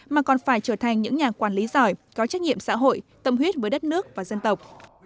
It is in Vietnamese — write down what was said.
mà còn phải trở thành những nhà quản lý giỏi có trách nhiệm xã hội tâm huyết với đất nước và dân tộc